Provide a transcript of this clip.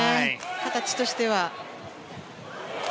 形としては。